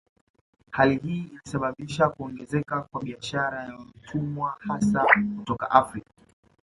Hali hii ilisababisha kuongezeka kwa biashara ya watumwa hasa kutoka Afrika